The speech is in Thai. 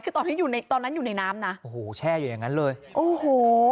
คือตอนนี้อยู่ในตอนนั้นอยู่ในน้ำนะโอ้โหแช่อยู่อย่างนั้นเลยโอ้โห